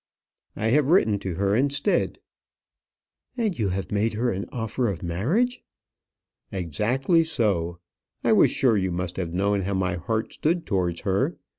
"I have written to her, instead." "And you have made her an offer of marriage!" "Exactly so. I was sure you must have known how my heart stood towards her.